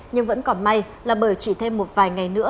nhưng vẫn còn may là bởi chỉ thêm một vài ngày nữa